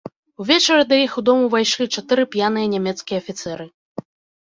Увечары да іх у дом увайшлі чатыры п'яныя нямецкія афіцэры.